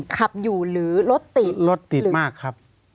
ขับอยู่หรือรถติดรถติดมากครับ